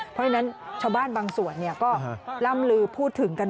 เพราะฉะนั้นชาวบ้านบางส่วนก็ล่ำลือพูดถึงกัน